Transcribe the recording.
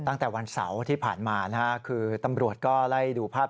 ตั้งแต่วันเสาร์ที่ผ่านมานะฮะคือตำรวจก็ไล่ดูภาพ